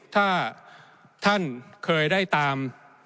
ถ้าท่านเคยได้ตาม